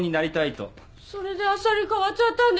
それであっさり代わっちゃったんですか？